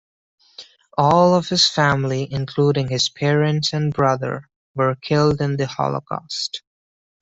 All of his family, including his parents and brother, were killed in the Holocaust.